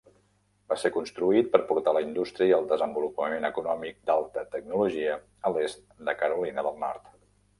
Va ser construït per portar la indústria i el desenvolupament econòmic d'alta tecnologia a l'est de Carolina del Nord.